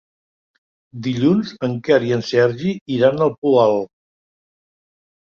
Dilluns en Quer i en Sergi iran al Poal.